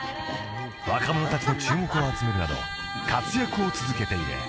［若者たちの注目を集めるなど活躍を続けている］